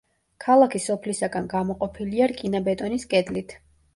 ქალაქი სოფლისაგან გამოყოფილია რკინა-ბეტონის კედლით.